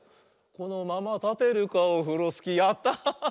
「このままたてるかオフロスキー」やった！